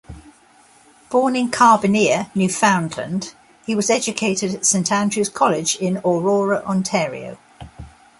Born in Carbonear, Newfoundland, he was educated at Saint Andrew's College in Aurora, Ontario.